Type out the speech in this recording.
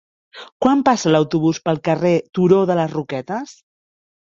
Quan passa l'autobús pel carrer Turó de les Roquetes?